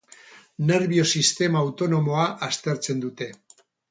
Nerbio-sistema autonomoa aztertzen dute.